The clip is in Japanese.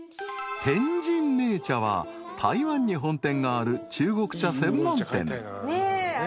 ［天仁茗茶は台湾に本店がある中国茶専門店］